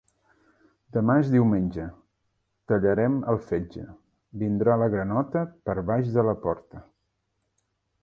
Demà és diumenge, tallarem el fetge, vindrà la granota per baix de la porta.